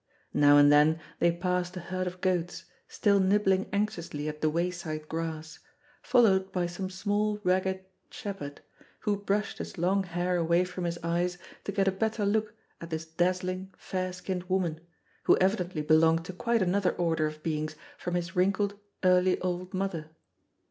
Now and then they passed a herd of goats, still nibbling anxiously at the wayside grass, followed by some small ragged shepherd, who brushed his long hair away from his eyes to get a better look at this dazzling, fair skinned woman, who evidently belonged to quite another order of beings from his wrinkled, early old mother.